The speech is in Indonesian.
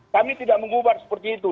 kami tidak mengubah seperti itu